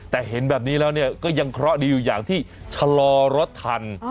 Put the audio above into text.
แต่เห็นแบบนี้แล้วเนี่ยก็ยังเคราะห์ดีอยู่อย่างที่ชะลอรถทัน